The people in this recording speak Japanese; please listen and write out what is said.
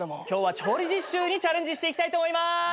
今日は調理実習にチャレンジしていきたいと思います！